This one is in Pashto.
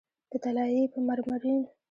په طلایې، په مرمرین